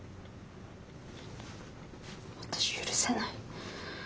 私許せない。